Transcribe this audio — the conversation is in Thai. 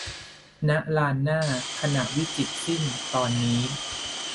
"ณ ลานหน้า ขณะวิจิตรสิ้น ตอนนี้"